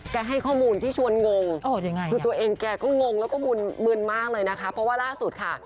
ให้ข้อมูลที่ชวนงงคือตัวเองแกก็งงแล้วก็มึนมึนมากเลยนะคะเพราะว่าล่าสุดค่ะ